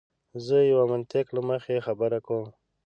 زه د یوه منطق له مخې خبره کوم.